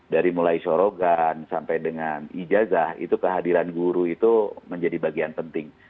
dari mulai shorogan sampai dengan ijazah itu kehadiran guru itu menjadi bagian penting